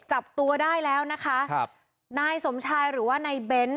จับตัวได้แล้วนะคะครับนายสมชายหรือว่านายเบ้น